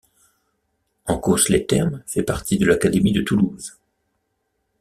Encausse-les-Thermes fait partie de l'académie de Toulouse.